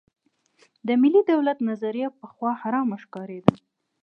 د ملي دولت نظریه پخوا حرامه ښکارېده.